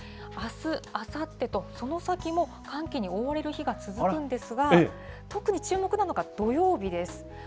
あす、あさってと、その先も寒気に覆われる日が続くんですが、特に注目なのが土曜日です。